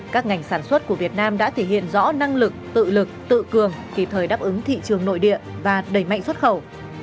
các ngành sản xuất của việt nam đã thể hiện rõ năng lực tự lực tự cường kịp thời đáp ứng thị trường nội địa và đẩy mạnh xuất khẩu